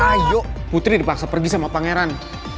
ayo putri dipaksa pergi sama pangeran